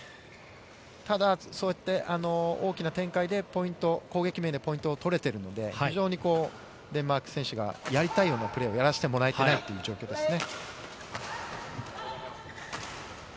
ただ、そうやって大きな展開でポイント、攻撃面でポイントを取れてるので、非常にデンマーク選手がやりたいようなプレーをやらしてもらえてないという状況ですね。